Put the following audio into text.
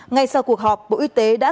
ngay sau cuộc họp bộ y tế đã